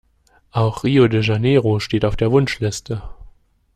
Auch Rio de Janeiro steht auf der Wunschliste.